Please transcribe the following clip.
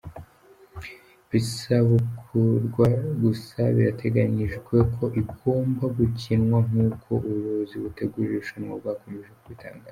P izasubukurwa gusa biteganyijwe ko igomba gukinwa nkuko ubuyobozi butegura iri rushanwa bwakomeje bubitangaza.